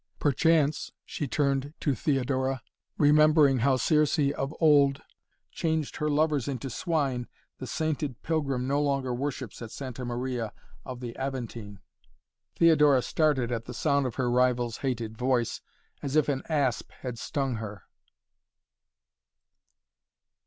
"Perchance," she turned to Theodora, "remembering how Circé of old changed her lovers into swine, the sainted pilgrim no longer worships at Santa Maria of the Aventine." Theodora started at the sound of her rival's hated voice as if an asp had stung her.